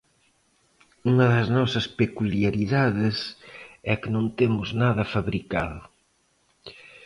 Unha das nosas peculiaridades é que non temos nada fabricado.